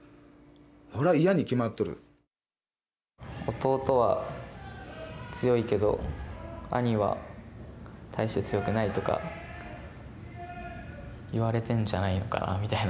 弟は強いけど兄は大して強くないとか言われてんじゃないのかなみたいな。